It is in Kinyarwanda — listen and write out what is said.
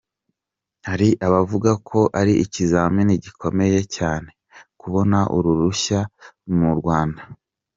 Hari abavuga ko ari ikizamini gikomeye cyane kubona uru ruhushya mu Rwanda.